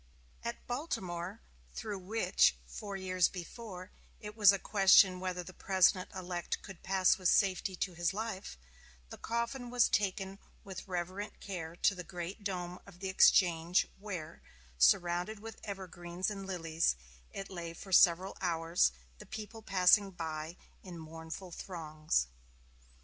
At Baltimore through which, four years before, it was a question whether the President elect could pass with safety to his life, the coffin was taken with reverent care to the great dome of the Exchange, where, surrounded with evergreens and lilies, it lay for several hours, the people passing by in mournful throngs.